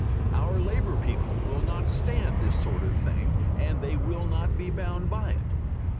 Our Labour people will not stand this sort of thing and they will not be bound by it.